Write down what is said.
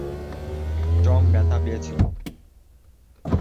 Tom ব্যাথা পেয়েছিল।